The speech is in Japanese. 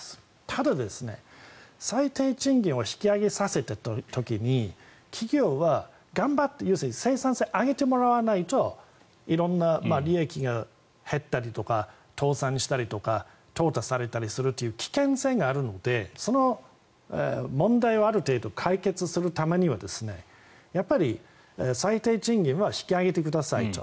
ただ、最低賃金を引き上げさせた時に企業は頑張って生産性を上げてもらわないと色んな利益が減ったりとか倒産したりとかとう汰されたりするという危険性があるのでその問題をある程度、解決するためにはやっぱり最低賃金は引き上げてくださいと。